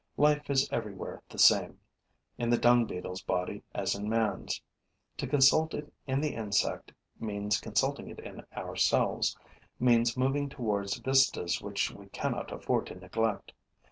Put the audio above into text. Life is everywhere the same, in the Dung beetle's body as in man's. To consult it in the insect means consulting it in ourselves, means moving towards vistas which we cannot afford to neglect.